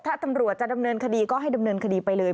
ถ้าตำรวจจะดำเนินคดีก็ให้ดำเนินคดีไปเลย